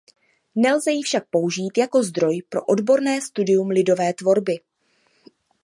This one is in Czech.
Nelze ji však použít jako zdroj pro odborné studium lidové tvorby.